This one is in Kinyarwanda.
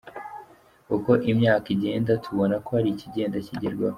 Uko imyaka igenda tubona ko hari ikigenda kigerwaho.